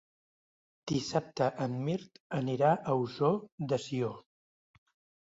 Dissabte en Mirt anirà a Ossó de Sió.